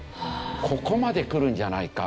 ここまで来るんじゃないか。